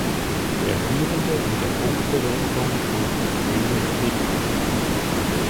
Der Führende in der Punktewertung trug das Grüne Trikot.